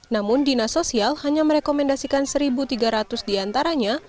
namun dinasosial hanya merekomendasikan satu tiga ratus diantaranya